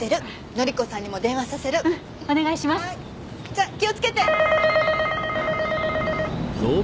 じゃあ気をつけて！